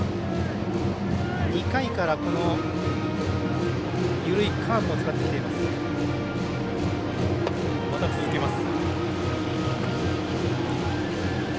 ２回から緩いカーブも使ってきています。